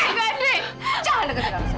jangan deketin anak saya